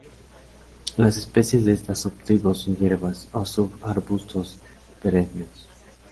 Las especies de esta subtribu son hierbas o sub- arbustos perennes.